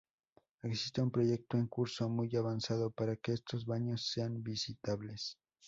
Existe un proyecto en curso, muy avanzado, para que estos baños sean visitables.